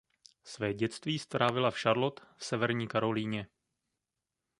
Své dětství strávila v Charlotte v Severní Karolíně.